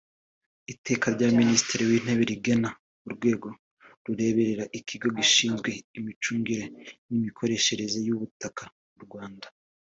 Iteka rya Minisitiri w’Intebe rigena Urwego rureberera Ikigo Gishinzwe Imicungire n’Imikoreshereze y’Ubutaka mu Rwanda